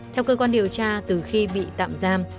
theo cơ quan điều tra từ khi bị tạm giam